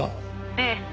「ええ。